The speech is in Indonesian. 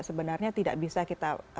sebenarnya tidak bisa kita